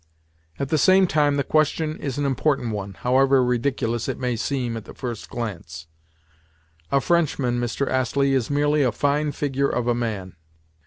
At the same time, the question is an important one, however ridiculous it may seem at the first glance. A Frenchman, Mr. Astley, is merely a fine figure of a man.